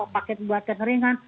paket buat keringan